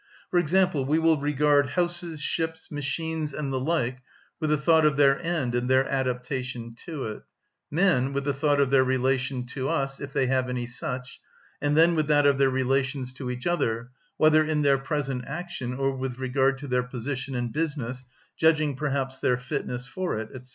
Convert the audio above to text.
For example, we will regard houses, ships, machines, and the like with the thought of their end and their adaptation to it; men, with the thought of their relation to us, if they have any such; and then with that of their relations to each other, whether in their present action or with regard to their position and business, judging perhaps their fitness for it, &c.